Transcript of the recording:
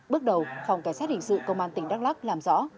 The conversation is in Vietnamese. bước đầu phòng kẻ xét hình sự công an tỉnh đắk lóc làm rõ